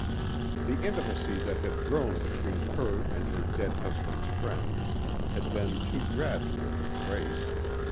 The intimacy that had grown between her and her dead husband's friend had been too gradual to trace.